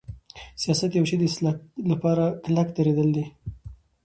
سیاست د یوشی د اصلاح لپاره کلک دریدل دی.